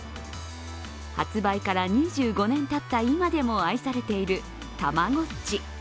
発売から２５年たった今でも愛されているたまごっち。